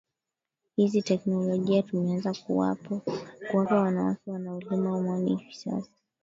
Hizi tekinolojia tumeanza kuwapa wanawake wanaolima mwani hivi sasa